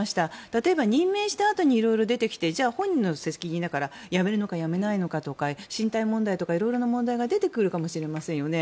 例えば任命したあとに色々出てきて本人の責任だから辞めるのか辞めないのかとか進退問題とか色々な問題が出てくるかもしれませんよね。